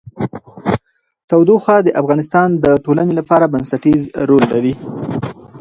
تودوخه د افغانستان د ټولنې لپاره بنسټيز رول لري.